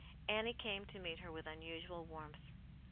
Annie came to meet her with unusual warmth.